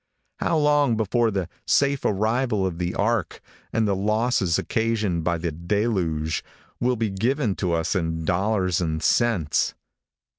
How long before the safe arrival of the ark, and the losses occasioned by the deluge, will be given to us in dollars and cents?